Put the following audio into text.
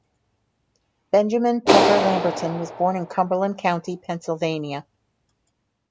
Benjamin Peffer Lamberton was born in Cumberland County, Pennsylvania.